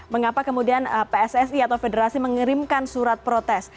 mengapa kemudian pssi atau federasi mengerimkan surat protes